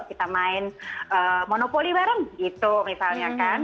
kita main monopoli bareng gitu misalnya kan